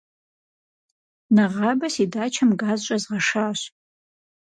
Нэгъабэ си дачэм газ щӏезгъэшащ.